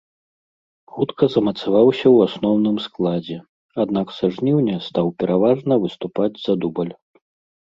Хутка замацаваўся ў асноўным складзе, аднак са жніўня стаў пераважна выступаць за дубль.